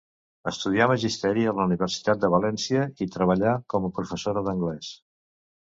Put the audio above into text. Estudià Magisteri a la Universitat de València, i treballà com a professora d'anglès.